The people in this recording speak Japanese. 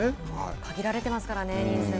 限られてますからね人数が。